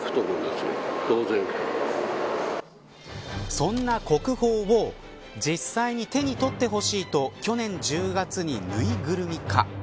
そんな国宝を実際に手に取ってほしいと去年１０月に、ぬいぐるみ化。